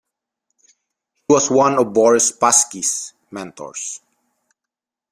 He was one of Boris Spassky's mentors.